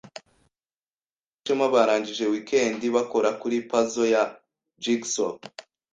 Rwema na Gashema barangije weekend bakora kuri puzzle ya jigsaw.